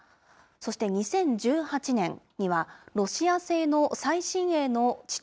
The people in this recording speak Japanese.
そして２０１８年には、ロシア製の最新鋭の地